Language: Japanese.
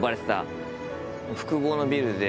複合のビルで。